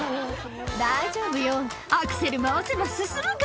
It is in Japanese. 「大丈夫よアクセル回せば進むから！」